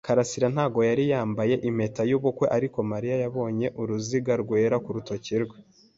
karasira ntabwo yari yambaye impeta yubukwe, ariko Mariya yabonye uruziga rwera ku rutoki rwe.